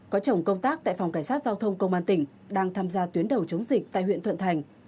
có chồng công tác tại phòng cảnh sát giao thông công an tỉnh đang tham gia tuyến đầu chống dịch tại huyện thuận thành